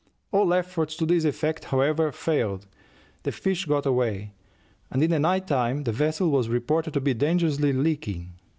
All efforts to this effect, however, failed: the fish got away, and in the night time the vessel was reported to be dangerously leaking.